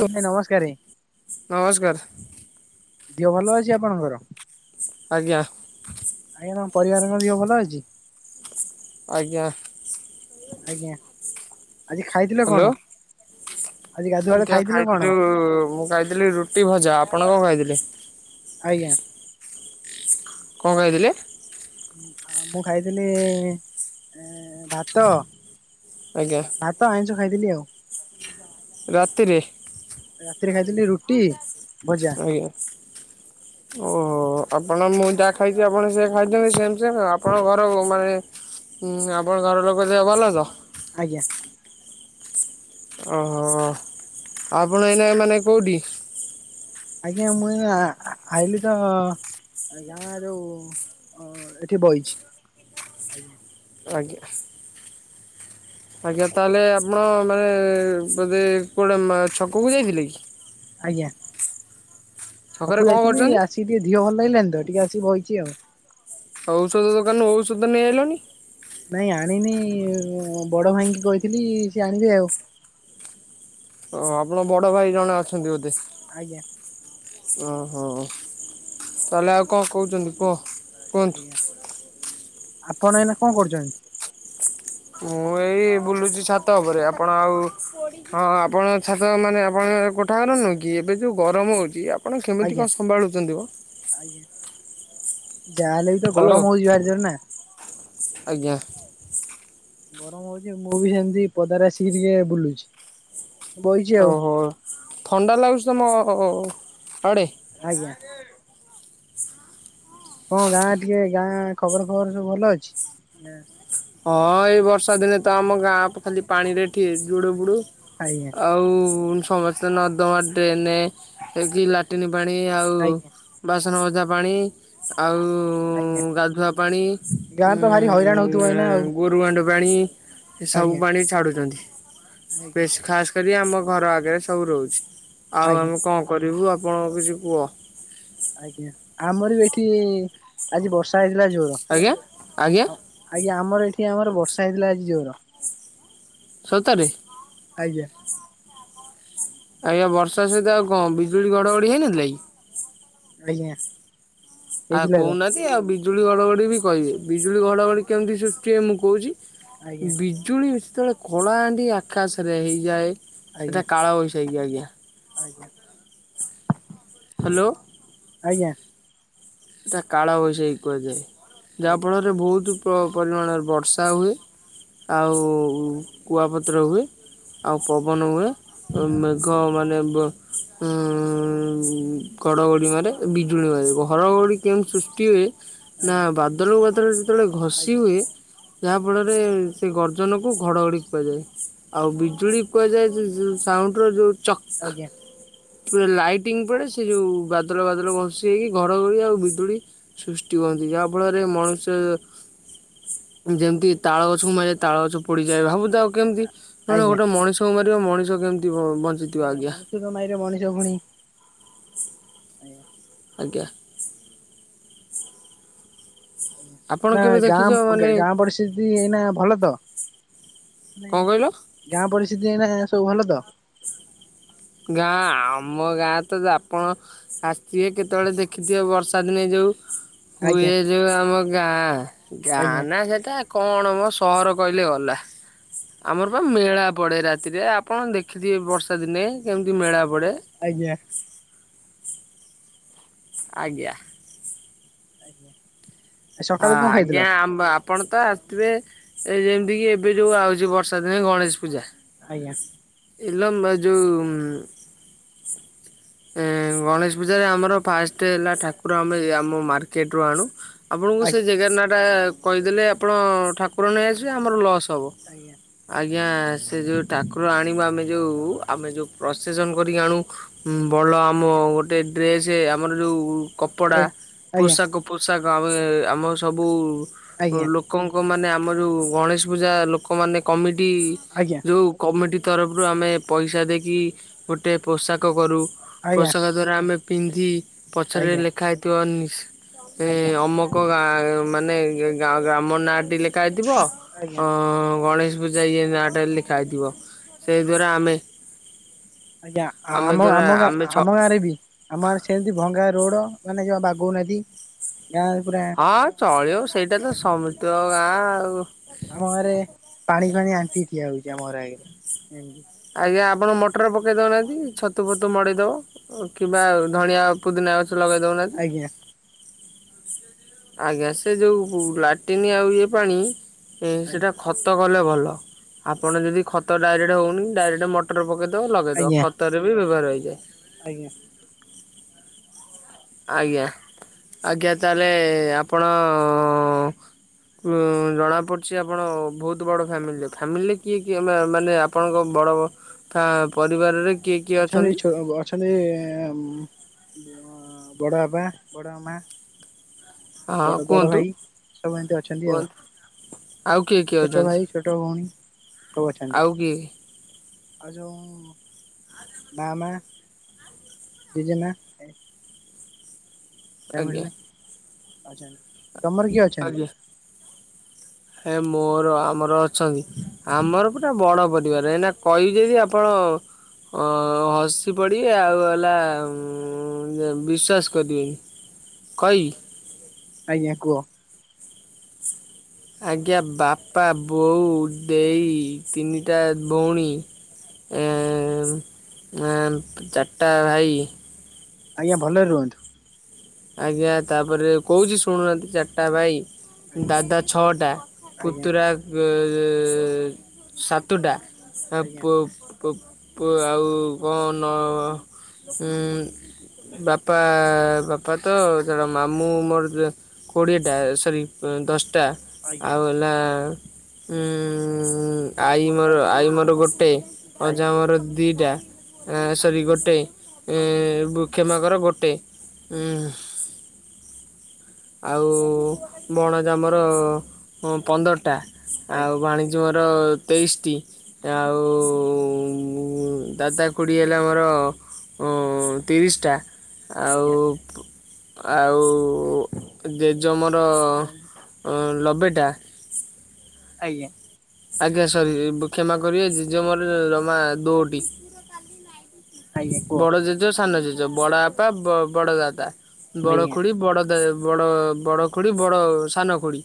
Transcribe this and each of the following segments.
ଭାଇ ନମସ୍କାରେ ନମସ୍କାର। ଦିହ ଭଲ ଅଛି ଆପଣଙ୍କର? ଆଜ୍ଞା। ପରିବାରଙ୍କର ଦିହ ଭଲ ଅଛି। ଆଜ୍ଞା। ଆଜ୍ଞା ଆଜି ଖାଇଥିଲେ ହ୍ୟାଲୋ କଣ? ଆଜି ଗାଧୁଆବେଳେ ଆଜ୍ଞା ଖାଇଥିଲେ କଣ? ଖାଇଥିଲୁ ମୁଁ ଖାଇଥିଲି ରୁଟି ଭଜା। ଆପଣ କଣ ଖାଇଥିଲେ? ଆଜ୍ଞା। କଣ ଖାଇଥିଲେ? ମୁଁ ଆ ମୁଁ ଖାଇଥିଲି ଇଁ ଭାତ। ଆଜ୍ଞା ଭା-ଭାତ ଆଇଁଷ ଖାଇଥିଲି ଆଉ। ରାତିରେ। ରାତିରେ ଖାଇଥିଲି ରୁଟି। ଭଜା ଆଜ୍ଞା ଓ ହୋ ଆପଣ ମୁଁ ଯାହା ଖାଇଛି ଆପଣ ସେଇଆ ଖାଇଛନ୍ତି ସେମ୍ ସେମ୍ ଆଉ ଆପଣଙ୍କ ଘର ମାନେ। ହୁଁ ଆପଣ ଘର ଲୋକ ଦେହ ଭଲ ତ। ଆଜ୍ଞା। ଓହୋ ଆପଣ ଏଇନା ମାନେ କୋଉଠି? ଆଜ୍ଞା ମୁଁ ଏଇନା ଆ-ଆ-ଆଇଲି ତ। ଆଜ୍ଞା ଯୋଉ ଅଁ ଏଠି ବଇଛି ଆଜ୍ଞା। ଆଜ୍ଞା। ଆଜ୍ଞା ତାହେଲେ ଆପଣ ମାନେ ବୋଧେ କୁଆଡେ ମା ଛକକୁ ଯାଇଥିଲେ କି? ଆଜ୍ଞା। ଛକରେ ଛକକୁୁ କଣ ଯାଇଥିଲି, କରୁଛନ୍ତି ଆସିକି ଟିକେ ଧିଅ ଭଲ ଲାଗିଲାନି ତ ଟିକେ ଆସିକି ବଇଛି ଆଉ। ଔଷଧ ଦୋକାନରୁ ଔଷଧ ନେଇ ଆଇଲନି। ନାଇଁ ଆଣିନି, ବଡଭାଇଙ୍କି କହିଥିଲି ସେ ଆଣିବେ ଆଉ। ଓଃ ଆପଣ ବଡଭାଇ ଜଣେ ଅଛନ୍ତି ବୋଧେ। ଆଜ୍ଞା। ଓହୋ ତାହଲେ ଆଉ କଣ କହୁଛନ୍ତି କୁହ। କୁହନ୍ତୁ ଆପଣ ଏଇନା କଣ କରୁଛନ୍ତି। ମୁଁ ଏଇ ବୁଲୁଛି ଛାତ ଉପରେ ଆପଣ ଆଉ ହଁ ଆପଣ ଛାତ ମାନେ ଆପଣ କୋଠା ନୁଅ କି ଏବେ ଯେଉଁ ଗରମ ହୋଉଛି ଆପଣ କେମିତି ଆଜ୍ଞା କଣ ସମ୍ଭାଳୁଛନ୍ତିମ। ଆଜ୍ଞା ଯାହାହେଲେ ବି ତ ଗରମ ହଉଛି ଭାରିଜୋରେ ନା ଆଜ୍ଞା। ଗରମ ହଉଛି ମୁଁ ବି ସେମିତି ପଦାରେ ଆସିକି ଟିକେ ବୁଲୁଛି। ବଇଛି ଆଉ ଓହୋ ଥଣ୍ଡା ଲାଗୁଚି ତମ ଆଡେ? ଆଜ୍ଞା। କଣ ଗାଁ ଟିକେ ଗାଁ ଖବର ଖବର ସବୁ ଭଲ ଅଛି। ହଁ ଏଇ ବର୍ଷା ଦିନେ ତ ଆମ ଗାଁ ଖାଲି ପାଣିରେ ଠେ ଜୁଡୁବୁଡୁ। ଆଜ୍ଞା ଆଉ ସମସ୍ତେ ନର୍ଦମା ଡ୍ରେନ୍ ରେ ଯିଏକି ଲାଟିନ୍ ପାଣି ଆଉ ଆଜ୍ଞା ବାସନ ମଜା ପାଣି ଆ ଆଉ ଆଜ୍ଞା ଗାଧୁଆ ପାଣି ଗାଁରେ ତ ଭାରି ହଇରାଣ ହଉଥିବ ଏଇନା ଆଉ ଗୋରୁ ଗାଣ୍ଡୁଏ ପାଣି ଏ ସବୁ ଆଜ୍ଞା। ପାଣି ଛାଡୁଛନ୍ତି ଆଜ୍ଞା ବେଶ୍ ଖାସ୍ ମତେ ବି ଆମ ଘର ଆଗରେ ସବୁ ରହୁଛୁ ଆଉ ଆଜ୍ଞା ଆମେ କଣ କରିବୁ ଆଉ ଆପଣଙ୍କ କିଛି କୁହ। ଆଜ୍ଞା, ଆମର ବି ଏଠି ଆଜି ବର୍ଷା ହେଇ ଆଜ୍ଞା ଆଜ୍ଞା। ଆମର ଏଠି ଆମର ବର୍ଷା ହେଇଥିଲା ଆଜି ଜୋର ସତରେ। ଆଜ୍ଞା ଆଜ୍ଞା ବର୍ଷା ସହିତ ଆଉ କଣ ବିଜୁଳି ଘଡଘଡ଼ି ହେଇନଥିଲା କି। ଆଜ୍ଞା। ଆଉ ହେଇଥିଲା ତ। କହୁନାହାନ୍ତି ଆଉ ବିଜୁଳି ଘଡଘଡି ବି କହିବି ବିଜୁଳି ଆଜ୍ଞା ଘଡଘଡି କେମିତି ସୃଷ୍ଟି ହୁଏ ମୁଁ କହୁଛି। ଆଜ୍ଞା ବିଜୁଳି ଯେତେବେଳେ କଳାହାଣ୍ଡି ଆକାଶରେ ହେଇଯାଏ ଆଜ୍ଞା ସେଟା କାଳ ବଇ ଆଜ୍ଞା ଆଜ୍ଞା। ଆଜ୍ଞା। ହାଲୋ। ଆଜ୍ଞା। ଏଟା କାଳ ବୈଶାଖୀ କୁହାଯାଏ ଯାହା ଫଳରେ ବହୁତ୍ ପରିମାଣରେ ବର୍ଷା ହୁଏ ଆଉ କୁଆପତ୍ର ହୁଏ। ଆଉ ପବନ ହୁଏ ମେଘ ମାନେ ଉଁ ଘଡଗଡି ମାରେ ବିଜୁଳି ମାରେ ଘଡଘଡି କେମତି ସୃଷ୍ଟି ହୁଏ ନା ଆଜ୍ଞା। ବାଦଲକୁ ବାଦଲ ଯେତେବେଳେ ଘଷି ଆଜ୍ଞା ହୁଏ। ଯାହାଫଳରେ ସେ ଗର୍ଜନକୁ ଘଡ଼ଘଡ଼ି କୁହାଯାଏ। ଆଉ ବିଜୁଳି କୁହାଯାଏ ଯେ ସାଉଣ୍ଡର ଯେଉ ଚକ୍ ଆଜ୍ଞା ପା ଲାଇଟିଙ୍ଗ ପରେ ସେ ଯୋଉ ବାଦଲ ବାଦଲ ଘଷି ହେଇକି ଘର ଘଡି ଆଉ ବିଦୁଳି ସୃଷ୍ଟି ହୁ କନ୍ତି ଯାହା ଫଳରେ ମନୁଷ୍ୟ [unintelligible] ଯେମିତି ତାଳ ଗଛକୁ ମାରେ ତାଳ ଗଛ ପଡିଯାଏ ଭାବୁଥାଉ କେମିତି ଜଣେ ଆଜ୍ଞା ଗୋଟେ ମଣିଷକୁ ମାରିବ ମଣିଷ କେମିତି ଭ ଆଜ୍ଞା ମଣିଷର ନାଇଁରେ ମଣିଷ ଫୁଣି ଆଜ୍ଞା। ଆଜ୍ଞା। ଆପଣ ଏ କେବେ ଦେଖିଛ ଗାଁ ମାନେ ଗାଁ ପରିସ୍ଥିତି ଏଇନା ଭଲ ତ? ମାନେ କ'ଣ କହିଲ ଗାଁ ପରିସ୍ଥିତି ସବୁ ଭଲ ତ ଗାଁ ଆମ ଗାଁ ତ ଆପଣ ଆସିଥିବେ କେତେବେଳେ ଦେଖିଥିବେ ବର୍ଷା ଦିନେ ଯୋ ଆଜ୍ଞା ତୁହୁଏ ଯୋଉ ଆମ ଗାଁ ଗାଁ ଆଜ୍ଞା ନା ସେଟା କଣ ମୋ ସହର କହିଲେ ଗଲା ଆମର ବା ମେଳା ପଡେ ରାତିରେ ଆପଣ ଦେଖିଥିବେ ବର୍ଷା ଦିନେ କେମିତି ମେଳା। ପଡ଼େ ଆଜ୍ଞା। ଆଜ୍ଞା। ଆଜ୍ଞା। ହଁ ସକାଳୁ କଣ ଖାଇଥିଲ ଆଜ୍ଞା ଆପଣ ତ ଆସିଥିବେ ଏ ଯେମିତି କିି ଏବେ ଯୋଉ ଆଉଛି ବର୍ଷା ଦିନେ ଗଣେଶ ପୂଜା ଆଜ୍ଞା। ଇଲୋ ଯୋଉ ଆଜ୍ଞା ଗଣେଶ ପୂଜାରେ ଆମର ଫାଷ୍ଟ ହେଲା ଠାକୁର ଆମେ ଆମ ମାର୍କେଟରୁୁ ଆଣୁ ଆପଣଙ୍କୁ ଆଜ୍ଞା। ସେଜେଗାର ନାଁ ଟା କହିଦେଲେ ଆପଣ ଠାକୁର ନେଇ ଆସିବେ ଆମର ଲସ୍ ହେବ ଆଜ୍ଞା ଆଜ୍ଞା। ଆଜ୍ଞା ସେ ଯୋଉ ଠାକୁର ଆଣିବା ଆମେ ଯୋଉ ଆମେ ଯୋଉ ପ୍ରସେସନ କରିକି ଆଣୁ ଉଁ ଭଲ ଆମ ଗୋଟେ ଡ୍ରେସ ଆମର ଯୋଉ କପଡ଼ା ଆଜ୍ଞା ଆଜ୍ଞା ପୋଷାକ ପୋଷାକ ଆମେ ଆମ ସବୁ ଆଜ୍ଞା ଆଜ୍ଞା ଆଜ୍ଞା ଲୋକଙ୍କ ମାନେ ଆମର ଯୋଉ ଗଣେଶ ପୂଜା ଲୋକମାନେ କମିଟି ଆଜ୍ଞା ଯୋଉ କମିଟି ତରଫରୁ ଆମେ ପଇସା ଦେଇକି ଗୋଟେ ପୋଷାକ କରୁ ପୋଷାକ ଦ୍ଵାରା ଆମେ ପିନ୍ଧି ପଛରେ ଆଜ୍ଞା। ଲେଖା ହେଇଥିବା ନିସ୍ ଏ ଅମକ ଗାଁ ମାନେ ଗ୍ରାମ ନାଁ ଟି ଲେଖା ହେଇଥିବ ଆଜ୍ଞା ଅ ଗଣେଶ ପୂଜା ଏଇ ନାଁଟରେ ଲେଖା ହେଇଥିବ ସେଇଦ୍ଵାରା ଆମେ ଆଜ୍ଞା ଆମେ ଆମ ଦ୍ଵାରା ଆମ ଗାଁ ଆମେ ଛ ଆମ ଗାଁ ରେ ବି ଆମ ଗାଁରେ ସେମିତି ଭଙ୍ଗା ରୋଡ ମାନେ ଯୋଉ ବାଘଉ ନଦୀ ହଁ ଚଳିବ ସେଇଟା ତ ସମସ୍ତିଙ୍କ ଗାଁ ଆଉ ଆମ ଘରେ ପାଣିଫାଣି ଆଣ୍ଠିଏ ଠିଆ ହଉଛି, ଆମ ଘର ଆଗରେ ଏମତି ଆଜ୍ଞା ଆପଣ ମଟର ପକେଇ ଦଉନାହାନ୍ତି, ଛତୁଫତୁ ମଡେଇଦବ କିମ୍ବା ଧଣିଆ ପୁଦିନା ଗଛ ଲଗାଇ ଦେଉନାହାନ୍ତି ଆଜ୍ଞା ଆଜ୍ଞା ସେ ଯୋଉ ଲାଟିନ୍ ଆଉ ଇଏ ପାଣି ଏ ସେଇଟା ଆଜ୍ଞା ଖତ କଲେ ଭଲ ଆପଣ ଯଦି ଖତ ଡାଇରେକ୍ଟ ହଉନି, ଡାଇରେକ୍ଟ ମଟର ପକେଇ ଆଜ୍ଞା ଲଗେଇଦବା ଖତରେ ବି ବ୍ୟବହାର ହେଇଯାଏ। ଆଜ୍ଞା। ଆଜ୍ଞା ଆଜ୍ଞା ତାହେଲେ ଆପଣ ଉଁ ଜଣା ପଡୁଛି ଆପଣ ବହୁତ ବଡ ଫାମିଲିର ଫାମିଲିରେ କିଏ କି ମାନେ ଆପଣଙ୍କ ବଡ଼ ତା ପରିବାରରେ କିଏ କିଏ ଅଛନ୍ତି ଅଛନ୍ତି ହଁ ବଡ଼ଆବା ବଡ଼ଆମା ହଁ ବଡ କୁହନ୍ତୁ ବଡଭାଇ ସବୁ ଏମିତି ଅଛନ୍ତି ଆଉ କୁହନ୍ତୁ ଆଉ କିଏ କିଏ ଅଛନ୍ତି ଛୋଟଭାଇ ଛୋଟଭଉଣୀ ସବୁ ଅଛନ୍ତି ଆଉ କିଏ ଆଉ ଯୋଉ ବାମା ଜେଜେମା ଆଜ୍ଞା। ଫ୍ୟାମିଲିରେ ଅଛନ୍ତି ତମର କିଏ ଅଛନ୍ତି? ଆଜ୍ଞା ହେ ମୋର ଆମର ଅଛନ୍ତି, ଆମର ପୁରା ବଡ ପରିବାର ଏଇନା କହିବି ଯଦି ଆପଣ ହଁ। ହଁ ହସି ପଡିବେ ଆଉ ହେଲା ବିଶ୍ଵାସ କରିବେନି କଇବି? ଆଜ୍ଞା କୁହ। ଆଜ୍ଞା ବାପା ବୋଉ ଦେଇ ତିନିଟା ଭଉଣୀ ଏ ଚାରିଟା ଭାଇ ଆଜ୍ଞା ଭଲରେ ରୁହନ୍ତୁ। ଆଜ୍ଞା ତାପରେ କହୁଚି ଶୁଣୁନାହାନ୍ତି ଚାରିଟା ଭାଇ ଆଜ୍ଞା ଦାଦା ଛଅଟା ଆଜ୍ଞା ପୁତୁରା ଗ ଏ-ଏ-ଏ ସାତଟା ଆଜ୍ଞା ପ ପ ଆଉ କଣ ଉଁ ବାପା ବା ବାପା ତ ଜାଣ ମାମୁଁ ମୋର କୋଡ଼ିଏଟା ସରି ଦଶ ଟା ଆଜ୍ଞା ଆଉ ହେଲା ଉ ଆଈ ମୋର ଆଈ ମୋର ଗୋଟେ ଅଜା ଆଜ୍ଞା ମୋର ଦିଟା ସରି ଗୋଟେ ଏଁ କ୍ଷମାକର ଗୋଟେ ହଁ। ଆଉ ଭଣଜା ମୋର ଉଁ ପନ୍ଦର ଟା ଆଉ ଆଜ୍ଞା ଭାଣିଜୀ ମୋର ମୋର ତେଇସି ଟି ଆଉ ଉଁ-ଉଁ-ଉଁ ଦାଦା ଖୁଡ଼ି ହେଲା ଆମର ଓ ତିରିଶି ଟା ଆଉ ଆଜ୍ଞା ଆଉ ଜେ ଯେ ମୋର କହୁନାହାନ୍ତି ଲବେଟା ଆଜ୍ଞା। ଆଜ୍ଞା ସରି ଏ ବ କ୍ଷମା କରିବେ ଜେଜେ ମୋର ଜମା ଦୋଟି ଆଜ୍ଞା କୁହ ବଡ ଜେଜ ସାନ ଜେଜ ବଡ ବାପା ବଡ ଦାଦା ବଡ଼ ଆଜ୍ଞା ଖୁଡ଼ି ବଡ଼ ଦା ବଡ଼ ବଡ଼ ଖୁଡ଼ି ବଡ଼ ସାନ ଖୁଡ଼ି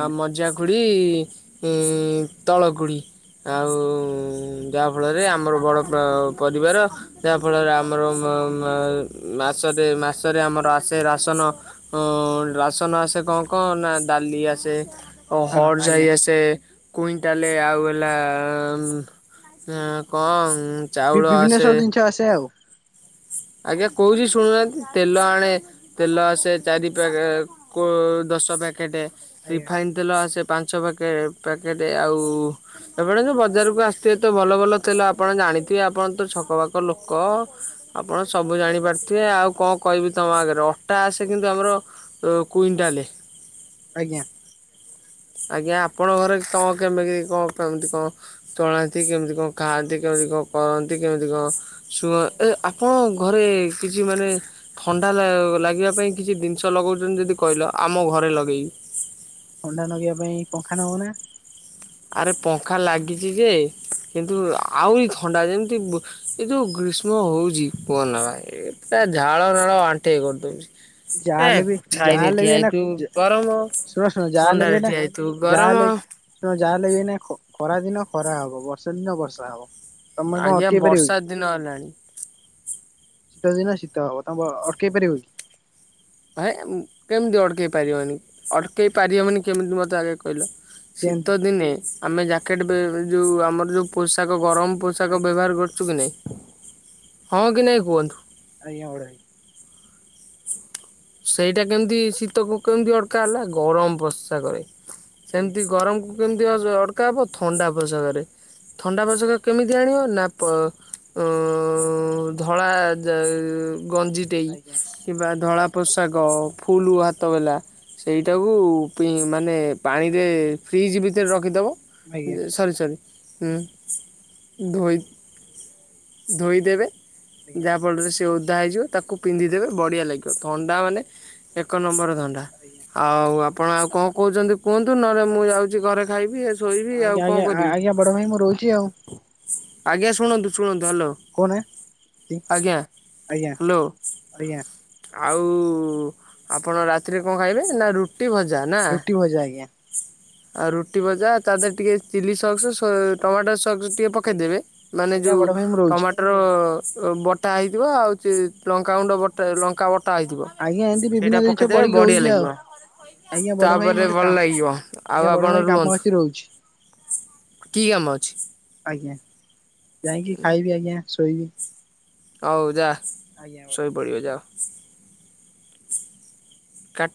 ଆଉ ମଝିଆଁ ଖୁଡ଼ି ତଳ ଖୁଡ଼ି ଆଉ ଆଜ୍ଞା ଯାହାଫଳରେ ଆମର ବଡ଼ ପ ପରିବାର ଯାହାଫଳରେ ଆମର ମ-ମ ମାସ ମାସରେ ମାସରେ ଆମର ଆସେ ରାସନ ଅଁ ରାସନ ଆସେ କଣ କଣ ନା ଡାଲି ଆ ସେ ହଁ ହଡ଼ ଆଜ୍ଞା ଜାଇ ଆସେ କୁଇଣ୍ଟାଲ ଆଉ ହେଲା ଉଁ ଉଁ କଣ ଚାଉଳ ବିଭିନ୍ନ ଆସେ ସବୁ ଜିନିଷ ଆସେ ଆଉ ଆଜ୍ଞା କହୁଚି ଶୁଣୁନାହାନ୍ତି ତେଲ ଆଣେ ତେଲ ଆସେ ଚାରି ପାକ କୋ ଦଶ ପ୍ୟାକେଟ୍ ଆଜ୍ଞା ରିଫାଇନ ତେଲ ଆସେ ପାଞ୍ଚ ପକେଟ ପ୍ୟାକେଟ ଆଉ ଏପଟ ଯଉ ବଜାରକୁ ଆସିଥିବେ ତ ଭଲ ଭଲ ତେଲ ଆପଣା ଜା ଥିବେ ଆପଣ ତ ଛକ ପାଖ ଲୋକ ଆପଣ ସବୁ ଜାଣିପାରୁଥିବେ ଆଉ କଣ କହିବି ତମ ଆଗରେ ଅଟା ଆସେ କିନ୍ତୁ ଆମର କ୍ଯୁଟାଲ ଲେ ଆଜ୍ଞା। ଆଜ୍ଞା ଆପଣଙ୍କ ଘରେ ତ କେମିତି କଣ କେମିତି କଣ ଚଳାନ୍ତି କେମିତି କଣ ଖାଆନ୍ତି କେମିତି କେମିତି କଣ କରନ୍ତି କେମିତି କଣ ସୁଅ ଏ ଆପଣ ଘରେ କିଛି ମାନେ ଥଣ୍ଡା ଲାଗିବା ପାଇଁ କିଛି ଜିନିଷ ଲଗାଉଛନ୍ତି ଯଦି କହିଲ ଆମ ଘରେ ଲଗେଇବି। ଥଣ୍ଡା ନଗେଇବା ପାଇଁ ପଙ୍ଖା ନଗୋଉନା। ଆରେ ପଙ୍ଖା ଲାଗିଚି ଯେ କିନ୍ତୁ ଆହୁରି ଥଣ୍ଡା ଯେମିତି ବୋ ଏଇ ଯୋଉ ଗ୍ରୀଷ୍ମ ହଉଚି କୁହ ନା ଭାଇ। ଏଟା ଝାଳ ନାଳ ଆଣ୍ଠଏ କରିଦଉଚି ଏ ଯାହାହେଲେ ବି ଛାଇ ରେ ଯାହାହେଲେ ବି ଠିଆ ଏଇନା ହେଇଥିବୁ ଗରମ ଶୁଣ ଶୁଣ ଯାହାହେଲେ ଥଣ୍ଡାରେ ଠିଆ ହେଇଥିବୁ ଗରମ ଯାହାହଲେ ବି ଏନା ଖ ଖରା ଦିନ ଖରା ହବ ବର୍ଷା ଦିନ ବର୍ଷା ହବ। ତମେ କଣ ଆଜ୍ଞା ଅଟକେଇ ପାରିବ କି ବର୍ଷା ଦିନ ହେଲାଣି ଶୀତ ଦିନ ଶୀତ ହବ ତମେ ଅଟକେଇ ପାରିବ କି? ଭାଇ କେମିତି ଅଟକେଇ ପାରିବନି ଅଟକେଇ ପାରିବନି କେମିତି ମୋତେ ଆଗେ କହିଲ କେମିତି ଶୀତ ଦିନେ ଆମେ ଜ୍ୟାକେଟ ବେ ଯେଉଁ ଆମର ଯେଉଁ ପୋଷାକ ଗରମ ପୋଷାକ ଆଜ୍ଞା ବ୍ୟବହାର କରୁଚୁ କି ନାହିଁ ହଁ କି ନାହିଁ କୁହନ୍ତୁ? ଆଜ୍ଞା ବଡ଼ ଭାଇ ସେଇଟା କେମିତି ଶୀତକୁ କେମିତି ଅଟକା ହେଲା ଗରମ ପୋଷାକ ରେ ଆଜ୍ଞା ସେମିତି ଗରମକୁ କେମିତି ଅଡକା ହବ ଥଣ୍ଡା ପୋଷାକରେ ଥଣ୍ଡା ପୋଶକ କେମିତି ଆଣିବ ନା ଧଳା ଗଞ୍ଜିଟେଇ ଆଜ୍ଞା କିମ୍ବା ଧଳା ପୋଷାକ ଫୁଲୁ ହାତ ବଲା। ଆଜ୍ଞା ସେଇଟାକୁ ମାନେ ପାଣିରେ ଫ୍ରିଜ୍ ଭିତରେ ରଖିଦବ ଆଜ୍ଞା ଆଜ୍ଞା। ଯେ ସରି ସରି ହୁଁ ଧୋଇ ଧୋଇଦେବେ ଯାହା ଫଳରେ ସେ ଓଧା ହେଇଯିବ ତାକୁ ପିନ୍ଧିଦେବେ ବଢିଆ ଲାଗିବ ତ ଥଣ୍ଡା ମାନେ ଏକ ନମ୍ବର ଥଣ୍ଡା ଆଉ ଆ ଆପଣ ଆଉ କଣ କହୁଛନ୍ତି କୁହନ୍ତୁ ନହେଲେ ମୁଁ ଯାଉଛି ଘରେ ଖାଇବି ଶୋଇବି ଆଉ ଆଜ୍ଞା କଣ ଆଜ୍ଞା କରିବି ଆଜ୍ଞା ବଡ ଭାଇ ମୁଁ ରହୁଛି ଆଉ ଆଜ୍ଞା ଶୁଣନ୍ତୁ ଶୁଣନ୍ତୁ। ହ୍ୟାଲୋ କହୁନା ଆଜ୍ଞା ଆଜ୍ଞା ହ୍ୟାଲୋ। ଆଜ୍ଞା। ଆଉ ଆପଣ ରାତିରେ କଣ ଖାଇବେ ନା ରୁଟି ଭଜା ନା। ରୁଟି ଭଜା ଆଜ୍ଞା ଆଉ ରୁଟି ଭଜା ତା ଦେହରେ ଟିକେ ଚିଲି ସକ୍ସ ଟମାଟର ସ ଟିକେ ଆଜ୍ଞା ପକେଇଦେବେ ମାନେ ଆଜ୍ଞା ଯୋଉ ବଡ ଭାଇ ମୁଁ ରହୁଛି ଟମାଟର ବଟା ହେଇଥିବ ଆଉ ଲଙ୍କାଗୁଣ୍ଡ ବଟା ଲଙ୍କା ବ ଟା ହେଇଥିବ ଆଜ୍ଞା ଏମିତି ବିଭିନ୍ନ ସେଇଟା ଜିନିଷ ପକେଇଦେବେ ପଡିକି ବଢିଆ ହଉଛି ଆଉ। ଲାଗିବ। ଆଜ୍ଞା ତା ବଡ ଭାଇ ପରେ ମୋର ଟିକେ ଭଲ କାମ ଲାଗିବ। ଆ ଆଜ୍ଞା ବଡ଼ ଭାଇ କାମ ଅଛି ରହୁଛି। କି କାମ ଅଛି ଆଜ୍ଞା ଯାଇକି ଖାଇବି ଆଜ୍ଞା ଶୋଇବି। ହୋଉ ଯା ଆଜ୍ଞା ବଡ ଶୋଇ ପଡ଼ିବ ଯାଅ। କାଟ।